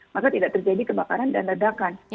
maka tidak terjadi kebakaran dan ledakan